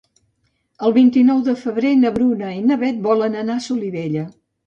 El vint-i-nou de febrer na Bruna i na Beth volen anar a Solivella.